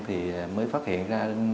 thì mới phát hiện ra